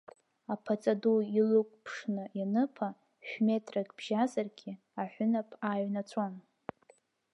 Аԥаҵа ду илықәԥшны ианыԥа, шә-метрак бжьазаргьы аҳәынаԥ ааиҩнаҵәон.